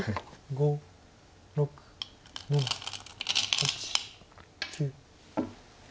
５６７８９。